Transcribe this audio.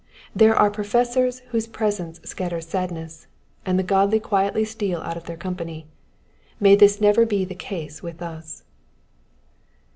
There are pro fessors whose presence scatters sadness, and the godly quietly steal out of their company : may this never be the case with us.